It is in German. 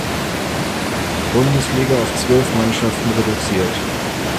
Bundesliga auf zwölf Mannschaften reduziert.